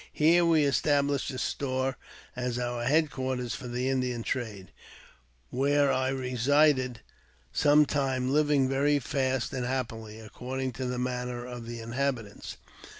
Here we established a store as our headquarters for the Indian trade, where I resided some time, living very fast and happily, according to the manner of the inhabitants.